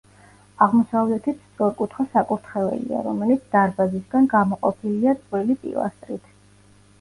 აღმოსავლეთით სწორკუთხა საკურთხეველია, რომელიც დარბაზისგან გამოყოფილია წყვილი პილასტრით.